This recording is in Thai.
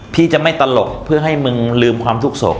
พี่จะไม่ตลกเพื่อให้มึงลืมความทุกข์สุข